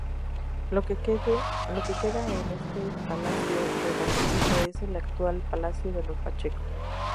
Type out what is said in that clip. Lo que queda de este palacio renacentista es el actual Palacio de los Pacheco.